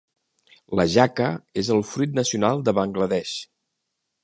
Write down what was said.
La jaca és el fruit nacional de Bangladesh.